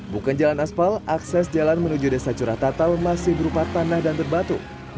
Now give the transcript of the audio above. bukan jalan aspal akses jalan menuju desa curah tatal masih berupa tanah dan berbatu